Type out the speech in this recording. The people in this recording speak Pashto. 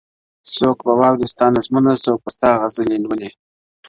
څوک به واوري ستا نظمونه څوک به ستا غزلي لولي٫